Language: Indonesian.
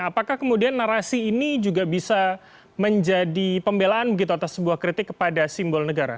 apakah kemudian narasi ini juga bisa menjadi pembelaan begitu atas sebuah kritik kepada simbol negara